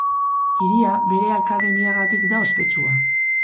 Hiria bere Akademiagatik da ospetsua.